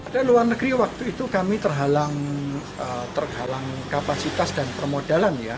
dari luar negeri waktu itu kami terhalang kapasitas dan permodalan ya